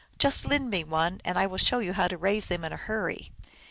Just lend me one, and I will show you how to raise them in a hurry."